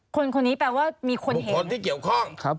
คนคนนี้แปลว่า